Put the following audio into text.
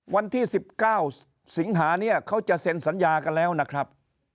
วันที่๑๙สิงหาเนี่ยเขาจะเซ็นสัญญากันแล้วนะครับ